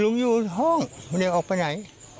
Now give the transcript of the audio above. ลุงอยู่ที่ห้องมันยังออกไปไหน